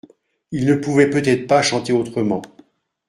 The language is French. Il ne pouvait peut-être pas chanter autrement.